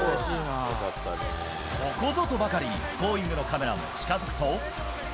ここぞとばかりにＧｏｉｎｇ！のカメラも近づくと。